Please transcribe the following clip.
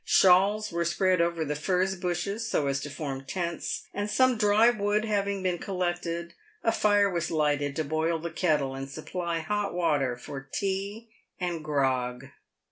Shawls were spread over the furze bushes, so as to form tents, and some dry wood having been collected, a fire was lighted to boil the kettle and supply hot water for tea and grog.